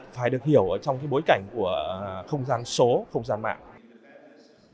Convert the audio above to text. phải được hiểu trong bối cảnh của không gian số không gian mạng